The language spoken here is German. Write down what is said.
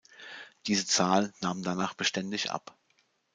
Diese Zahl nahm danach beständig ab.